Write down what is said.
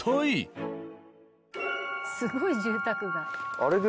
すごい住宅街。